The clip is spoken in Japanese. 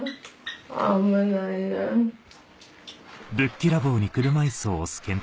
危ないな。